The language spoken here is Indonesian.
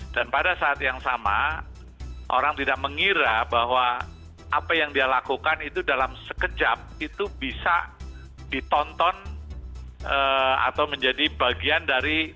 dan pada saat yang sama orang tidak mengira bahwa apa yang dia lakukan itu dalam sekejap itu bisa ditonton atau menjadi bagian dari panggilan